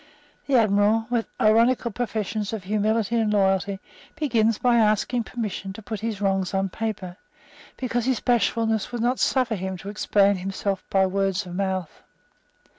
The Admiral, with ironical professions of humility and loyalty, begins by asking permission to put his wrongs on paper, because his bashfulness would not suffer him to explain himself by word of mouth.